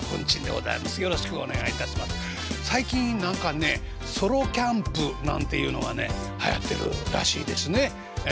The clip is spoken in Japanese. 最近何かねソロキャンプなんていうのがねはやってるらしいですね。